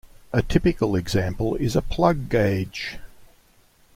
A typical example is a plug gauge.